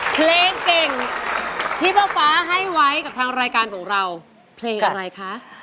เพลงเก่งที่ป้าฟ้าให้ไว้กับทางรายการของเราเพลงอะไรคะ